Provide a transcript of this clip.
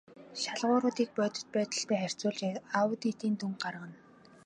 Шалгууруудыг бодит байдалтай харьцуулж аудитын дүнг гаргана.